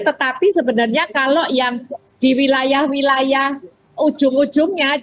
tetapi sebenarnya kalau yang di wilayah wilayah ujung ujungnya